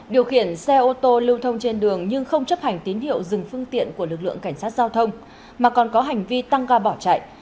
điều khiển xe ô tô lưu thông trên đường nhưng không chấp hành tín hiệu dừng phương tiện của lực lượng cảnh sát giao thông mà còn có hành vi tăng ga bỏ chạy